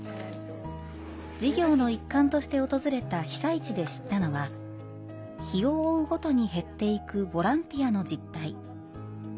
授業の一環として訪れた被災地で知ったのは日を追うごとに減っていくボランティアの実態。